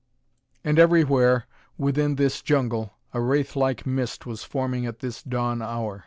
And everywhere within this jungle a wraith like mist was forming at this dawn hour.